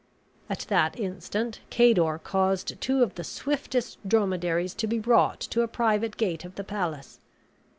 At that instant, Cador caused two of the swiftest dromedaries to be brought to a private gate of the palace.